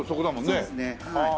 そうですねはい。